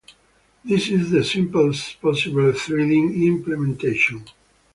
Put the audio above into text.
This is the simplest possible threading implementation.